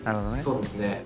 そうですね。